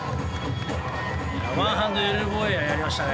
ワンハンドエルボーエアーやりましたね。